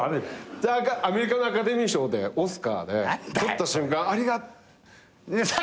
じゃアメリカのアカデミー賞でオスカーで取った瞬間ありが。